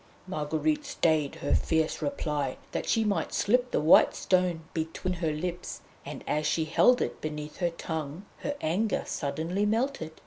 Marguerite stayed her fierce reply that she might slip the white stone between her lips; and as she held it beneath her tongue her anger suddenly melted.